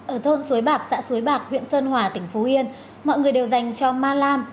ở thôn suối bạc xã xuối bạc huyện sơn hòa tỉnh phú yên mọi người đều dành cho ma lam